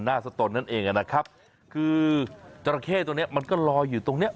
สตนนั่นเองนะครับคือจราเข้ตัวเนี้ยมันก็ลอยอยู่ตรงเนี้ย